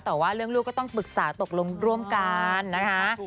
แต่ว่าเรื่องลูกก็ต้องปรึกษาตกลงร่วมกันนะคะ